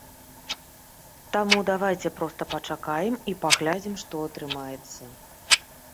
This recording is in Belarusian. Таму давайце проста пачакаем і паглядзім, што атрымаецца.